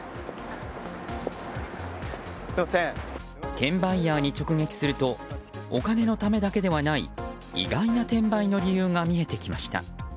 転売ヤーに直撃するとお金のためだけではない意外な転売の理由が見えてきました。